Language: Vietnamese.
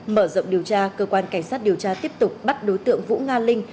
mở rộng điều tra cơ quan cảnh sát điều tra tiếp tục bắt đối tượng vũ nga linh